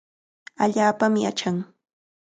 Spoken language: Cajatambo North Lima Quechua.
Allaapami achan.